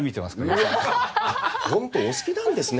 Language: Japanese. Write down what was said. ホントお好きなんですね！